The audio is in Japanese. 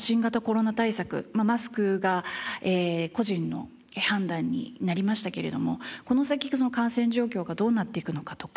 マスクが個人の判断になりましたけれどもこの先その感染状況がどうなっていくのかとか。